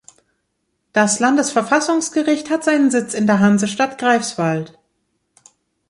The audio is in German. Das Landesverfassungsgericht hat seinen Sitz in der Hansestadt Greifswald.